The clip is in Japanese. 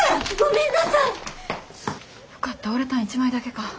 よかった折れたん１枚だけか。